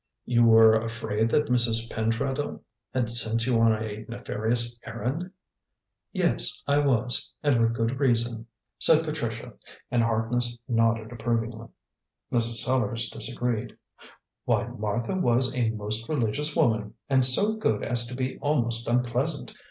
"You were afraid that Mrs. Pentreddle had sent you on a nefarious errand?" "Yes, I was, and with good reason," said Patricia, and Harkness nodded approvingly. Mrs. Sellars disagreed. "Why, Martha was a most religious woman, and so good as to be almost unpleasant.